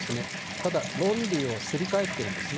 ただ、論理をすり替えているんですね。